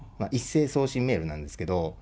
一斉送信メールなんですけれども。